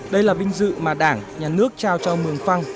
đây là vinh dự mà đảng nhà nước trao cho mường phăng